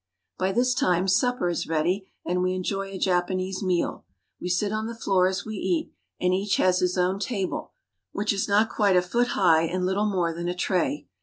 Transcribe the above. By this time supper is ready, and we enjoy a Japanese meal. We sit on the floor as we eat, and each has his own table, which is not quite a foot high and little more than a tray.